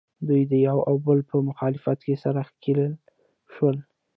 دوی د یو او بل په مخالفت کې سره ښکلیل شول